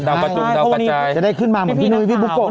ดาวประจุมดาวประจายพวกนี้จะได้ขึ้นมาเหมือนพี่นุ้ยพี่ปุ๊บโกะนี้พี่พี่นักข่าว